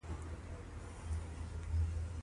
بل ځای بیا پاکستانی کاریګرانو کارونه کول.